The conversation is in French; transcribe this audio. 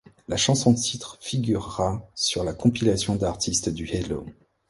La chanson-titre figurera sur la compilation d'artistes du Hello!